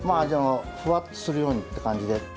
ふわっとするようにって感じで。